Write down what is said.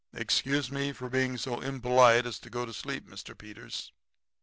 Excuse me for being so impolite as to go to sleep, Mr. Peters.'